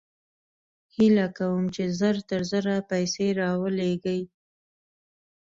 هېله کوم چې زر تر زره پیسې راولېږې